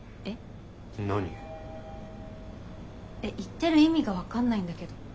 えっ言ってる意味が分かんないんだけど。